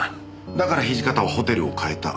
だから土方はホテルを変えた。